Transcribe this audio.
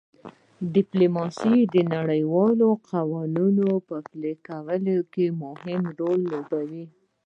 ډیپلوماسي د نړیوالو قوانینو په پلي کولو کې مهم رول لوبوي